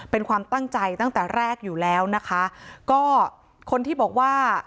เป็นความตั้งใจตั้งแต่แรกอยู่แล้วนะคะก็คนที่บอกว่า